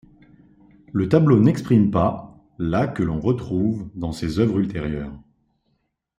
Le tableau n'exprime pas la que l'on retrouve dans ses œuvres ultérieures.